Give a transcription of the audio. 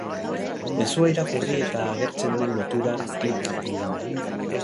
Mezua irakurri eta agertzen den loturan klik egin.